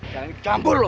jangan kekabur lu